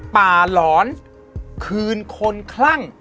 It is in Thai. หลอนคืนคนคลั่ง